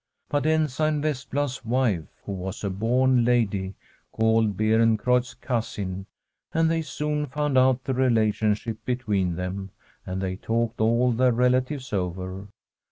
But Ensign Vestblad's wife, who was a born lady, called Beerencreutz cousin, and they soon found out the relationship between them; and they talked all their relatives over.